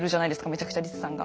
めちゃくちゃリツさんが。